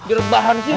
jerembahan di situ